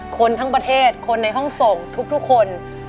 คนทั้งประเทศคนในห้องส่งทุกคน